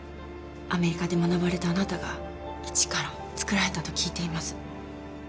アメリカで学ばれたあなたが一から作られたと聞いています。